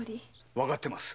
わかってます。